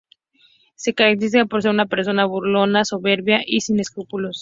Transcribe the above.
Se caracteriza por ser una persona burlona, soberbia y sin escrúpulos.